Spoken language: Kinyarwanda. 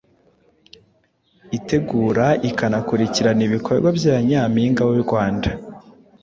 itegura ikanakurikirana ibikorwa bya Nyampinga wu rwanda